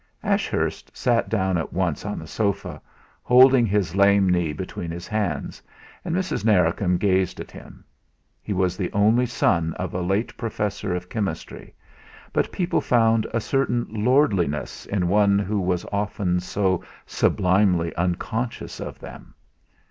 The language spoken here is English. Ashurst sat down at once on the sofa, holding his lame knee between his hands, and Mrs. Narracombe gazed at him. He was the only son of a late professor of chemistry, but people found a certain lordliness in one who was often so sublimely unconscious of them.